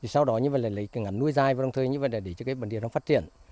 sau đó lấy ngắn nuôi dài và đồng thời để cho cây bản địa phát triển